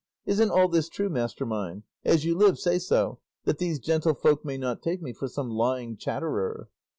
Isn't all this true, master mine? As you live, say so, that these gentlefolk may not take me for some lying chatterer."